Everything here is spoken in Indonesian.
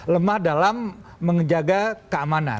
lemah dalam menjaga keamanan